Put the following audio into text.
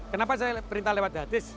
kenapa saya perintah lewat hadis